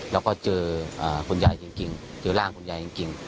แล้วก็เจอคุณยายจริงเจอร่างคุณยายจริง